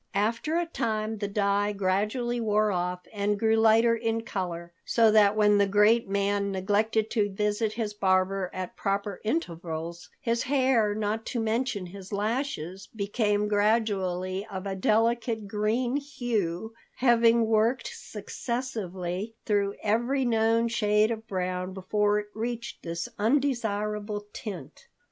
After a time the dye gradually wore off and grew lighter in color, so that when the great man neglected to visit his barber at proper intervals, his hair, not to mention his lashes, became gradually of a delicate green hue, having worked successively through every known shade of brown before it reached this undesirable tint.